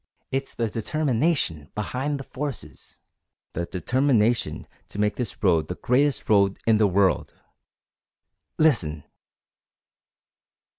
It's the determination behind the forces the determination to make this road the greatest road in the world! Listen!"